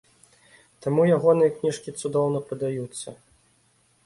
Таму ягоныя кніжкі цудоўна прадаюцца!